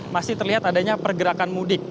masih terlihat adanya pergerakan mudik